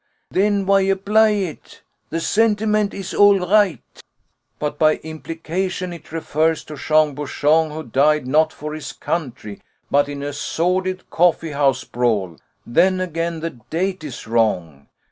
"Then why apply it? The sentiment is all right." "But by implication it refers to Jean Bouchon, who died, not for his country, but in a sordid coffee house brawl. Then, again, the date is wrong.